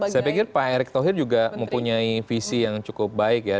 saya pikir pak erick thohir juga mempunyai visi yang cukup baik ya